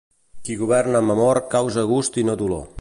Qui governa amb amor, causa gust i no dolor.